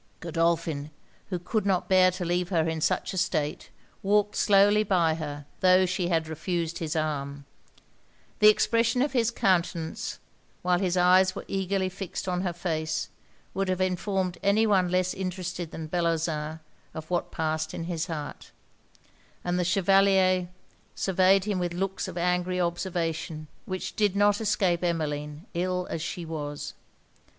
Godolphin, who could not bear to leave her in such a state, walked slowly by her, tho' she had refused his arm. The expression of his countenance, while his eyes were eagerly fixed on her face, would have informed any one less interested than Bellozane, of what passed in his heart; and the Chevalier surveyed him with looks of angry observation, which did not escape Emmeline, ill as she was.